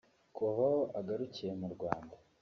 Kuva aho agarukiye mu Rwanda